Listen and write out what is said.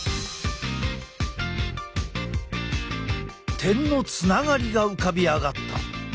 点のつながりが浮かび上がった。